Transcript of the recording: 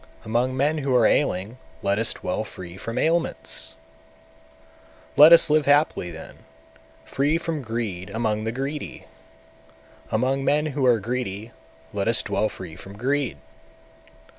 among men who are ailing let us dwell free from ailments! 199. Let us live happily then, free from greed among the greedy! among men who are greedy let us dwell free from greed!